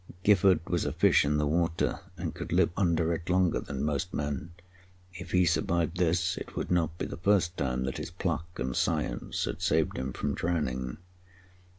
Gifford was a fish in the water and could live under it longer than most men. If he survived this, it would not be the first time that his pluck and science had saved him from drowning.